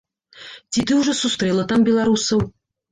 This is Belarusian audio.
Ці ты ўжо сустрэла там беларусаў?